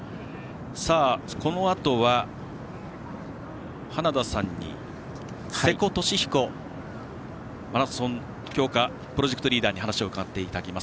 このあとは、花田さんに瀬古利彦マラソン強化プロジェクトリーダーに話を伺っていきます。